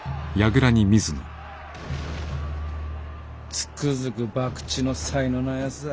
つくづく博打の才のないやつだ。